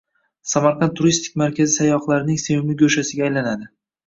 Samarqand turistik markazi sayyohlarning sevimli go‘shasiga aylanadi